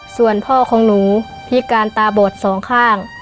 ส่วนพ่อของหนูพิการตาบอดสองข้าง